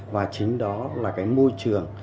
và chính đó là cái môi trường